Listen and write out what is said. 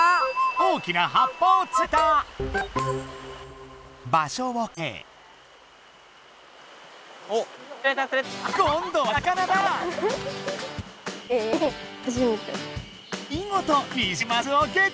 大きな葉っぱをつり上げた。